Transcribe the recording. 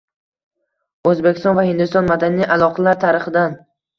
O‘zbekiston va Hindiston: madaniy aloqalar tarixidan